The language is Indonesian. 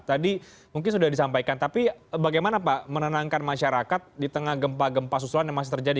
tadi mungkin sudah disampaikan tapi bagaimana pak menenangkan masyarakat di tengah gempa gempa susulan yang masih terjadi